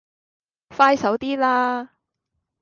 快手啲啦